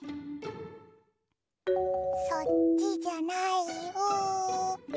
そっちじゃないよ。